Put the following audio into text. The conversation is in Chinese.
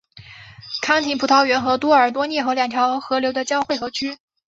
康廷葡萄园和多尔多涅河两条河流的汇合区。